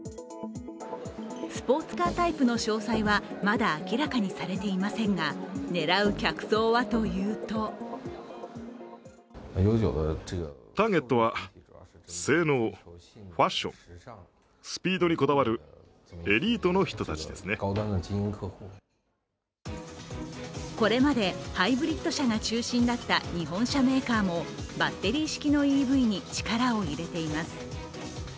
スポーツカータイプの詳細はまだ明らかにされていませんが狙う客層はというとこれまでハイブリッド車が中心だった日本車メーカーもバッテリー式のＥＶに力を入れています。